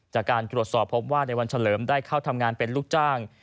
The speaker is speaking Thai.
จากการตรวจสอบพบว่าในวันเฉลิมได้เข้าทำงานเป็นลูกจ้าง